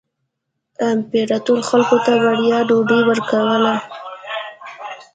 امپراتور خلکو ته وړیا ډوډۍ ورکوله.